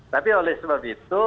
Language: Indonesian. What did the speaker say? tapi oleh sebab itu